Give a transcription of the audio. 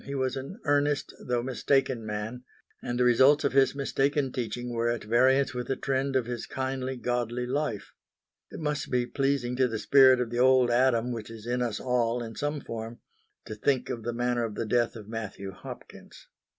He was an earnest, though mistaken man, and the results of his mistaken teaching were at variance with the trend of his kindly, godly life. It must be pleasing to the spirit of the Old Adam which is in us all in some form, to think of the manner of the death of Matthew Hopkins.